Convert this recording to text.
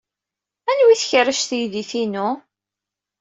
Anwa ay tkerrec teydit-inu?